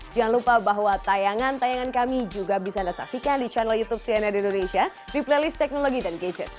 jangan lupa bahwa tayangan tayangan kami juga bisa anda saksikan di channel youtube cnn indonesia di playlist teknologi dan gadget